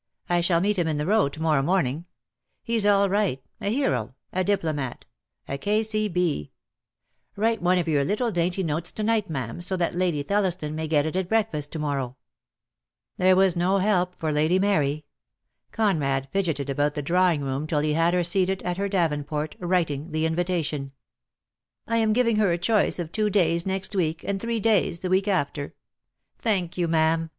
I shall meet him in the Row to morrow morning. He's all right — a hero — a. diplomat, a K.C.B. Write DEAD LOVE HAS CHAINS. I 65 one of your little dainty notes to night, ma'am, so that Lady Thelliston may get it at breakfast to mor row." There was no help for Lady Mary. Conrad fidgeted about the drawing room till he had her seated at her Davenport, writing the invitation, "I am giving her a choice of two days next week, and three days the week after." "Thank you, ma'am.